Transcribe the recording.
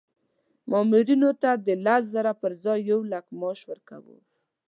مامورینو ته د لس زره پر ځای یو لک معاش ورکوو.